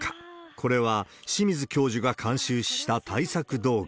これは、清水教授が監修した対策動画。